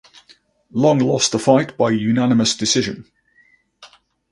Long lost the fight by unanimous decision.